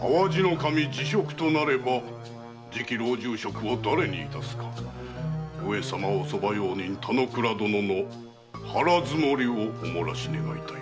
守辞職となれば次期老中職を誰に致すか上様お側用人・田之倉殿の腹積もりをお漏らし願いたい。